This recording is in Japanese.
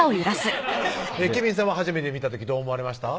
ケヴィンさんは初めて見た時どう思われました？